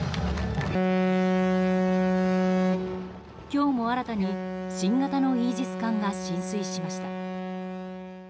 今日も新たに新型のイージス艦が進水しました。